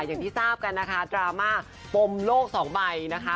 อย่างที่ทราบกันนะคะดราม่าปมโลกสองใบนะคะ